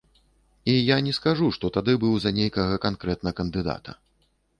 І я не скажу, што тады быў за нейкага канкрэтна кандыдата.